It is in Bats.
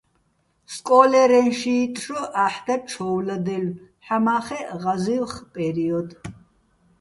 სკო́ლერეჼ შიიტტ შო აჰ̦ და ჩო́ვლადაჲლნო̆, ჰ̦ამა́ხეჸ ღაზი́ვხ პერიოდ.